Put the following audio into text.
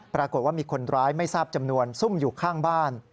ปรากฏว่ามีคนร้ายไม่ทราบจำนวนซุ่มอยู่ข้างบ้าน